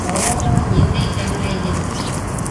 — О-о-о, ниндәй тәмле еҫ!